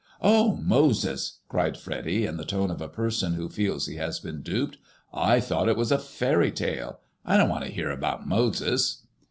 " Oh, Moses/' cried Freddy, in the tone of a person who feels he has been duped. '' I thought it was a fairy tale. I don't want to hear about Moses."